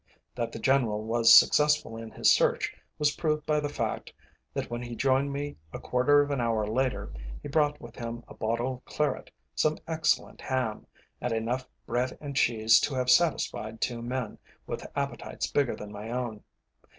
That the General was successful in his search was proved by the fact that when he joined me a quarter of an hour later, he brought with him a bottle of claret, some excellent ham, and enough bread and cheese to have satisfied two men, with appetites bigger than my own.